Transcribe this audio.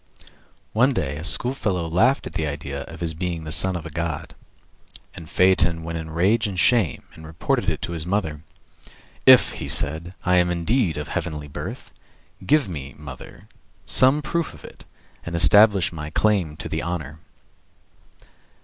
One day a schoolfellow laughed at the idea of his being the son of the god, and Phaeton went in rage and shame and reported it to his mother. "If," said he, "I am indeed of heavenly birth, give me, mother, some proof of it, and establish my claim to the honor."